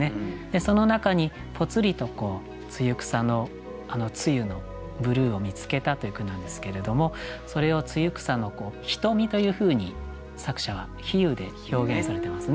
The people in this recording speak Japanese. その中にぽつりと露草のあの露のブルーを見つけたという句なんですけれどもそれを露草の「瞳」というふうに作者は比喩で表現されてますね。